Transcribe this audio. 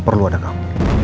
gak perlu ada kamu